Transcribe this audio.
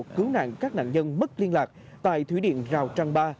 cứu nạn các nạn nhân mất liên lạc tại thủy điện rào trăng ba